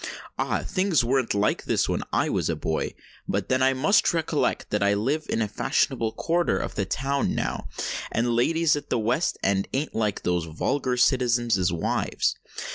Ah! things weren't like this when I was a boy! But then I must recollect that I live in the fashionable quarter of the town now, and ladies at the West End ain't like those vulgar citizens' wives.